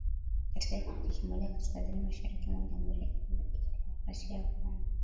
katika kijiji kimoja kaskazini mashariki mwa Jamhuri ya Kidemokrasia ya Kongo